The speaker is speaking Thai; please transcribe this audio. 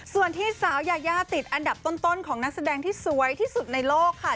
ส่วนที่สาวยายาติดอันดับต้นของนักแสดงที่สวยที่สุดในโลกค่ะ